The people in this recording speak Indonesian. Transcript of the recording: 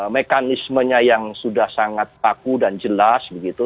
mekanismenya yang sudah sangat baku dan jelas begitu